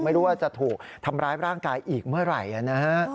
ไม่รู้ว่าจะถูกทำร้ายร่างกายอีกเมื่อไหร่นะฮะ